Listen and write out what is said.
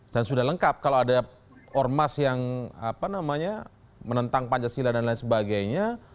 dan sudah lengkap kalau ada ormas yang apa namanya menentang pancasila dan lain sebagainya